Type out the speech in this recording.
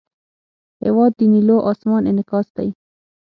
هېواد د نیلو آسمان انعکاس دی.